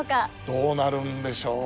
どうなるんでしょう？